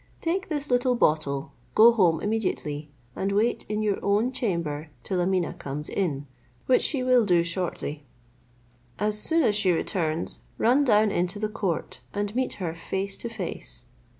"Take this little bottle, go home immediately, and wait in your own chamber till Ameeneh comes in, which she will do shortly. As soon as she returns, run down into the court, and meet her face to face.